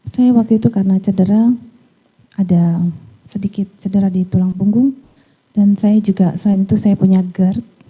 saya waktu itu karena cedera ada sedikit cedera di tulang punggung dan saya juga selain itu saya punya gerd